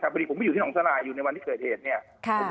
พอดีผมไม่อยู่ที่เห็นของสาลายอยู่ในวันที่เกิดเหตุ